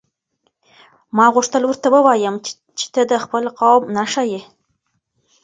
ما غوښتل ورته ووایم چې ته د خپل قوم نښه یې.